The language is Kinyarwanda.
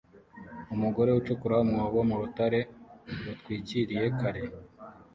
umugore ucukura umwobo mu rutare rutwikiriye kare